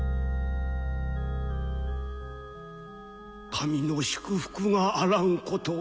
神の祝福があらんことを。